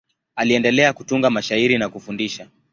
Aliendelea kutunga mashairi na kufundisha.